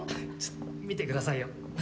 見てくださいよ。